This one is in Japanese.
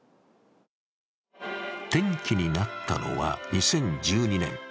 転機になったのは２０１２年。